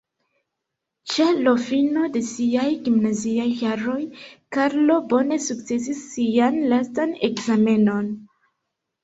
Ĉe l' fino de siaj gimnaziaj jaroj, Karlo bone sukcesis sian lastan ekzamenon.